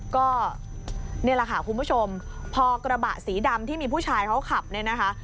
ก็นี่แหละค่ะคุณผู้ชมพอกระบะสีดำที่มีผู้ชายเขาขับเนี่ยนะคะ